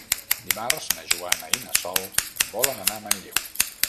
Dimarts na Joana i na Sol volen anar a Manlleu.